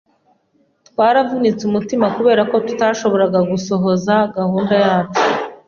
Twaravunitse umutima kubera ko tutashoboraga gusohoza gahunda yacu.